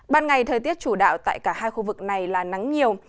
ban ngày thời tiết chủ đạo tại cả hai khu vực này là nắng nhiều